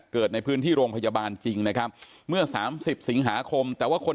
เกิดในพื้นที่โรงพยาบาลจริงนะครับเมื่อ๓๐สิงหาคมแต่ว่าคน